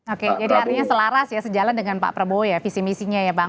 oke jadi artinya selaras ya sejalan dengan pak prabowo ya visi misinya ya bang